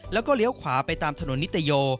แล้วก็เลี้ยวขวาไปตามถนนนิตโย